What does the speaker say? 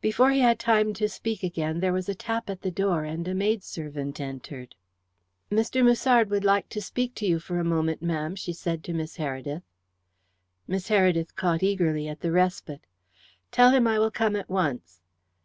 Before he had time to speak again there was a tap at the door, and a maidservant entered. "Mr. Musard would like to speak to you for a moment, ma'am," she said to Miss Heredith. Miss Heredith caught eagerly at the respite. "Tell him I will come at once.